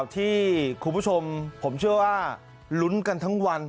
ที่คุณผู้ชมผมเชื่อว่าลุ้นกันทั้งวัน